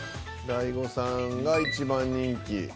大悟さんが一番人気。